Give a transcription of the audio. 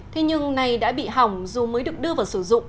thế nhưng này đã bị hỏng dù mới được đưa vào sử dụng